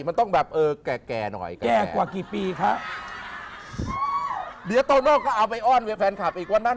มันต้องแบบเออแก่แก่หน่อยแก่กว่ากี่ปีคะเดี๋ยวโตโน่ก็เอาไปอ้อนให้แฟนคลับอีกวันนั้น